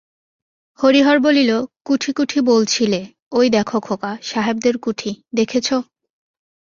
হরিহর বলিল, কুঠি কুঠি বলছিলে, ওই দেখো খোকা, সাহেবদের কুঠি, দেখেচো?